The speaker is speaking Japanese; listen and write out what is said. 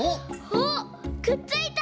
おっくっついた！